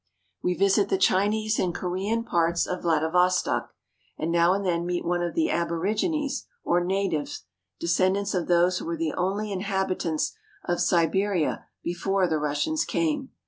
We visit the Chinese and Korean parts of Vladivostok ; and now and then meet one of the aborigines or natives, descendants of those who were the only inhabitants of Siberia before the Russians came.